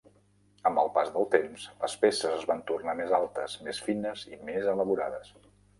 Amb el pas del temps, les peces es van tornar més altes, més fines i més elaborades.